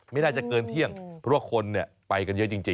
ไม่น่าจะเกินเที่ยงเพราะว่าคนไปกันเยอะจริง